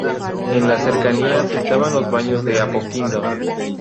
En las cercanías estaban los Baños de Apoquindo.